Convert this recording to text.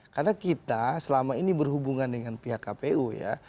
karena kita selama ini berhubungan dengan pihak kpu ya